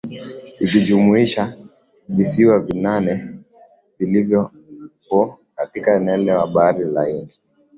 ikijumuisha visiwa vinane vilivyopo katika eneo la bahari ya Hindi